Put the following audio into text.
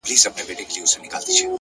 پوه انسان د زده کړې لاره نه پرېږدي.!